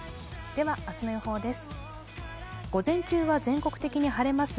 明日の予報です。